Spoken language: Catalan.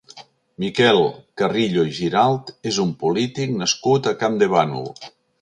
Miquel Carrillo i Giralt és un polític nascut a Campdevànol.